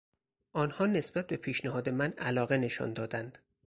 آنها نسبت به پیشنهاد من علاقه نشان دادند.